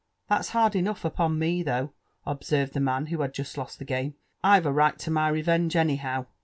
*' Thetis hard enough ujpon me though, '^ observed tiie man who had jiisMost the game; ^* I've a right to my revenge anyhow.